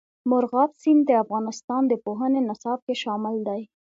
مورغاب سیند د افغانستان د پوهنې نصاب کې شامل دي.